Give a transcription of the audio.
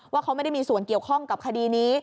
ว่าเขาไม่ได้มีส่วนเกี่ยวข้องกับคดีนี้